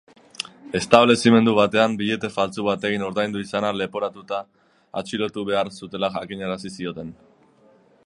Establezimendu batean billete faltsu batekin ordaindu izana leporatuta atxilotu behar zutela jakinarazi zioten.